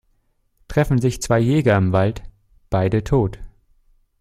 Treffen sich zwei Jäger im Wald - beide tot.